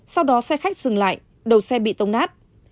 sau đó xe khách dừng lại đầu xe bị tông nát